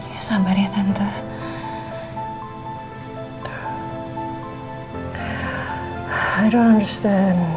ya sabar ya tante